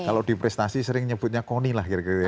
kalau di prestasi sering nyebutnya koni lah kira kira ya